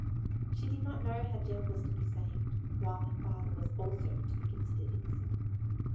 She did not yet know how Jem was to be saved, while her father was also to be considered innocent.